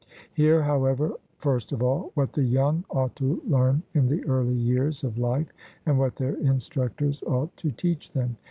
Hear, however, first of all, what the young ought to learn in the early years of life, and what their instructors ought to teach them.